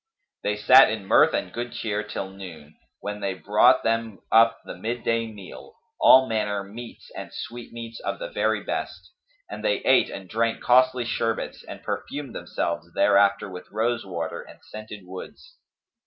They sat in mirth and good cheer till noon, when they brought them up the midday meal, all manner meats and sweetmeats of the very best; and they ate and drank costly sherbets and perfumed themselves thereafter with rose water and scented woods.